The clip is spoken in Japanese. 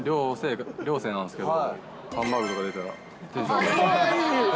寮生なんですけど、ハンバーグとか出たらテンション上がります。